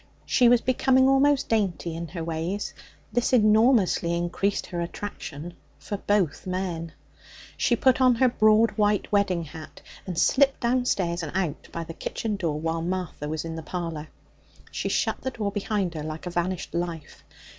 She was becoming almost dainty in her ways; this enormously increased her attraction for both men. She put on her broad white wedding hat, and slipped downstairs and out by the kitchen door while Martha was in the parlour. She shut the door behind her like a vanished life.